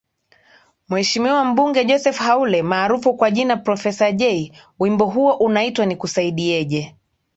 Mheshimiwa Mbunge Joseph Haule maarufu kwa jina Professor Jay Wimbo huo unaitwa Nikusaidieje